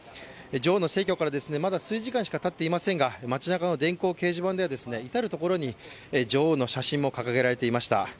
女王の逝去から、まだ数時間しかたっていませんが、街なかの電光掲示板では至る所に女王の写真が掲げられていました。